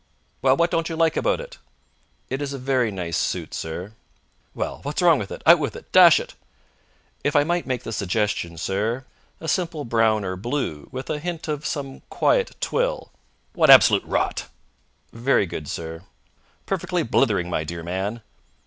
"Well, what don't you like about it?" "It is a very nice suit, sir." "Well, what's wrong with it? Out with it, dash it!" "If I might make the suggestion, sir, a simple brown or blue, with a hint of some quiet twill " "What absolute rot!" "Very good, sir." "Perfectly blithering, my dear man!"